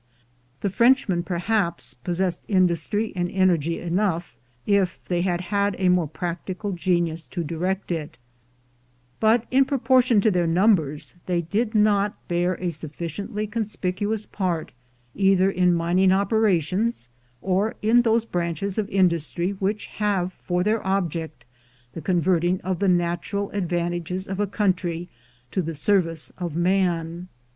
The Frenchmen, perhaps, possessed industry and energy enough, if they had had a more practical genius to direct it; but in proportion to their numbers, they did not bear a sufficiently conspicuous part, either in mining opera tions, or in those branches of industry which have for their object the converting of the natural advantages of a country to the service of man.